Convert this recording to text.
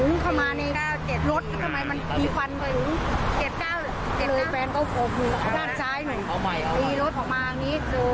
ดึงหลานออกมา๐๙๘ยังไงต่อครับ